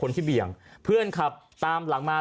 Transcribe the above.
เบี่ยงเพื่อนขับตามหลังมา